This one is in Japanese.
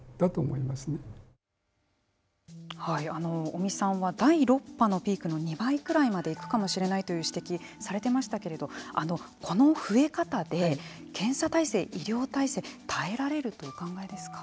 尾身さんは第６波のピークの２倍ぐらいまで行くかもしれないという指摘をされていましたけどこの増え方で検査体制、医療体制耐えられるとお考えですか。